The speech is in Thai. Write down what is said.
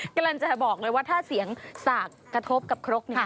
กำลังจะบอกเลยว่าถ้าเสียงสากกระทบกับครกเนี่ย